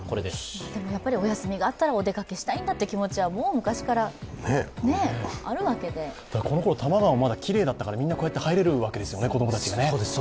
やっぱりお休みがあったらお出かけしたいんだって気持ちはこの頃、多摩川はきれいだったからみんなこうやって入れるわけですよね、子供たちが。